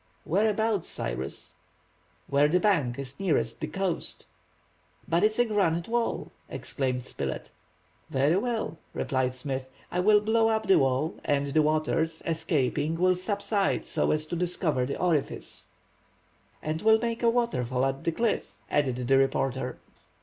"Whereabouts, Cyrus?" "Where the bank is nearest the coast." "But it is a granite wall," exclaimed Spilett, "Very well," replied Smith. "I will blow up the wall, and the waters, escaping, will subside so as to discover the orifice—" "And will make a waterfall at the cliff," added the reporter.